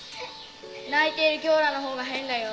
泣いているキヨラのほうが変だよ。